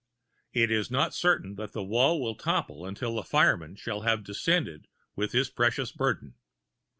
It is not certain that the wall will topple until the fireman shall have descended with his precious burden.